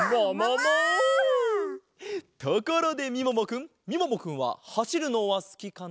ところでみももくんみももくんははしるのはすきかな？